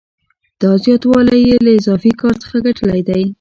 دا زیاتوالی یې له اضافي کار څخه ګټلی دی